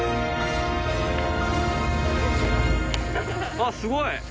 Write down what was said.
あっすごい！